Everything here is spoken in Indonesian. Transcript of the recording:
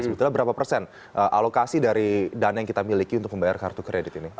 sebetulnya berapa persen alokasi dari dana yang kita miliki untuk membayar kartu kredit ini